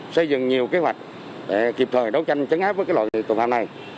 xây dựng nhiều kế hoạch để kịp thời đấu tranh chấn áp với loại tội phạm này